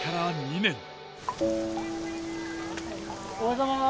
おはようございます！